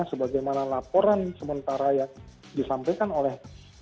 sebagaimana laporan sementara yang disampaikan oleh